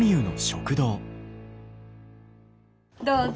どうぞ。